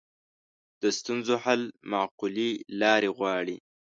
د ستونزو حل معقولې لارې غواړي